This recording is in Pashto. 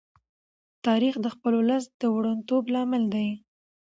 تاریخ د خپل ولس د وروڼتوب لامل دی.